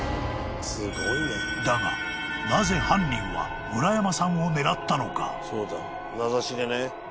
［だがなぜ犯人は村山さんを狙ったのか？］